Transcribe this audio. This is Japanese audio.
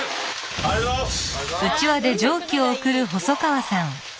ありがとうございます。